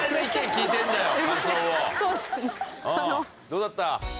どうだった？